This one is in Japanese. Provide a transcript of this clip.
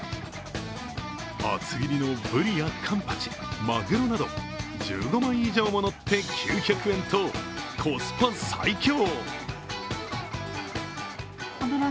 厚切りのブリやカンパチ、マグロなど１５枚以上も乗って９００円と、コスパ最強。